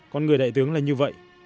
con người đại tướng là như vậy